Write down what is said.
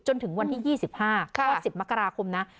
จนถึงวันที่๒๕ก็๑๐มกราคมนะ